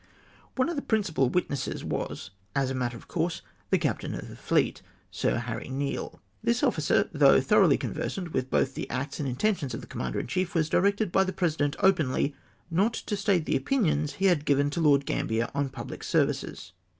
One of the principal Avitnesses was, as a matter of course, the Captain of the Fleet, Sk Harry Neale. This officer, though thoroughly conversant with both the acts and mtentions of the commander in chief, was directed by the President openly, not to state the opinions he had given to Lord Gamhier on j^ublic ser vices